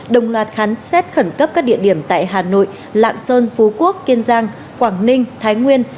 đồng loạt khám xét khẩn cấp các địa điểm tại hà nội lạng sơn phú quốc kiên giang quảng ninh thái nguyên